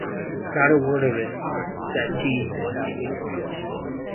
"Not a word of it," said T., stoutly.